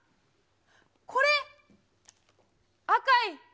これ、赤い。